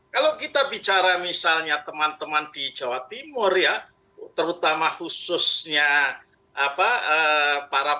kalau kita bicara misalnya teman teman di jawa timur ya terutama khususnya para pemilih